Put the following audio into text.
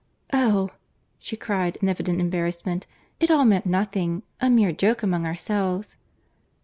"Oh!" she cried in evident embarrassment, "it all meant nothing; a mere joke among ourselves."